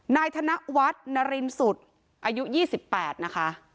นายธนวัฒนรินสุดอายุ๒๘นะคะ